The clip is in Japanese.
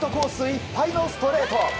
いっぱいのストレート。